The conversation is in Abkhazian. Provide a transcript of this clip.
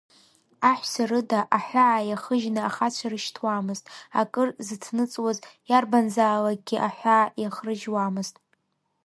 Аҳәса рыда аҳәаа иахыжьны ахацәа рышьҭуамызт, акыр зыҭныҵуаз иарбанзаалакгьы аҳәаа иахрыжьуамызт.